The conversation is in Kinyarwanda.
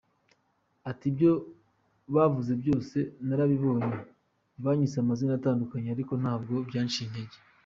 Ati “Ibyo bavuze byose narabibonye, banyise amazina atandukanye ariko ntabwo byanciye intege.